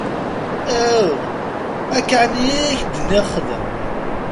Aw! Akk-a ɛni ay ak-d-nniɣ xdem?